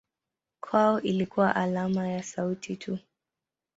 Kwao ilikuwa alama ya sauti tu.